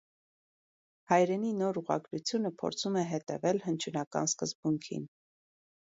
Հայերենի նոր ուղղագրությունը փորձում է հետևել հնչյունական սկզբունքին։